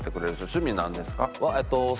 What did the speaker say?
趣味なんですか？